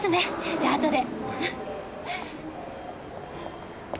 じゃああとで。